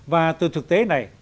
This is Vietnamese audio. và từ thực tế này